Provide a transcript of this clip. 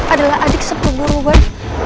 adalah adik sepuluh buruan